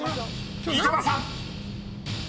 ［井戸田さん］